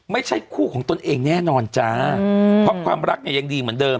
ไม่ใช่คู่ของตนเองแน่นอนจ้าเพราะความรักเนี่ยยังดีเหมือนเดิม